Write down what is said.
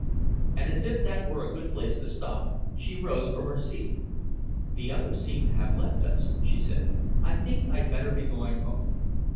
And as if that were a good place to stop, she rose from her seat. "The others seem to have left us," she said. "I think I'd better be going home."